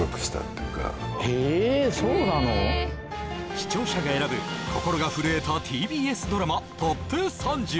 視聴者が選ぶ心が震えたＴＢＳドラマＴＯＰ３０